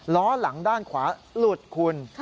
ล้อหลังด้านขวาหลุดคุณ